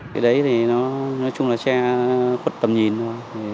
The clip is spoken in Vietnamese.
cái đấy thì nó nói chung là xe khuất tầm nhìn thôi